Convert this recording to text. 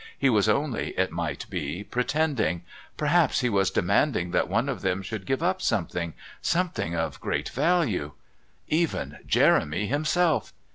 He was only, it might be, pretending. Perhaps He was demanding that one of them should give up something something of great value. Even Jeremy, himself!...